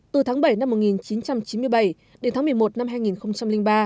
từ tháng bảy năm một nghìn chín trăm chín mươi bảy đến tháng một mươi một năm hai nghìn ba